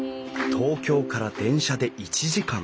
東京から電車で１時間。